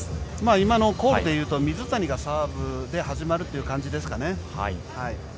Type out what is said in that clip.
今のコールで言うと水谷がサーブで始まるという感じですかね。